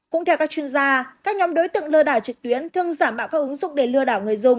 cũng theo các chuyên gia các nhóm đối tượng lừa đảo trực tuyến thường giả mạo các ứng dụng để lừa đảo người dùng